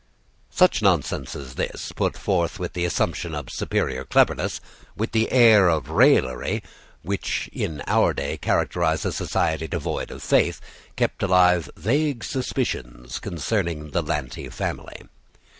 Such nonsense as this, put forth with the assumption of superior cleverness, with the air of raillery, which in our day characterize a society devoid of faith, kept alive vague suspicions concerning the Lanty family.